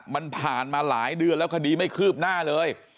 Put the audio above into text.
มันผ่านมาหลายเดือนแล้วคดีไม่คืบหน้าเลย